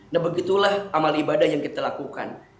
nah begitulah amal ibadah yang kita lakukan